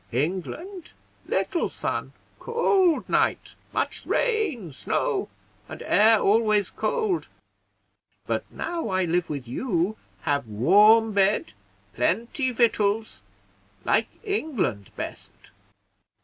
England, little sun, cold night, much rain, snow, and air always cold; but now I live with you, have warm bed, plenty victuals, like England best."